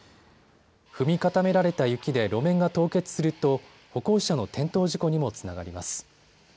踏み固められた雪で路面が凍結すると歩行者の転倒事故にもつながります。